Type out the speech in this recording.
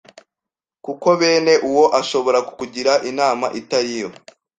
kuko Bene uwo ashobora kukugira inama itariyo